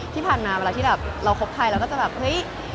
ที่ผ่านมาเวลาที่แบบเราคบใครเราก็จะแบบเฮ้ย